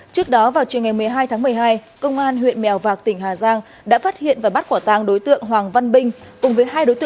trước đó vào chiều ngày một mươi hai tháng một mươi hai công an huyện mèo vạc tỉnh hà giang đã phát hiện và bắt quả tàng đối tượng hoàng văn binh cùng với hai đối tượng